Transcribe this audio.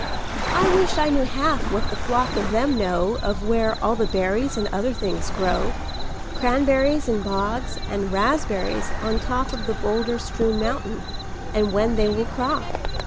"I wish I knew half what the flock of them know Of where all the berries and other things grow, Cranberries in bogs and raspberries on top Of the boulder strewn mountain, and when they will crop.